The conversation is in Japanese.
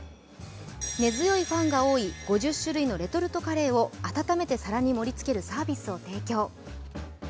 根強いファンが多い５０種類のレトルトカレーを温めて皿に盛り付けるサービスを提供。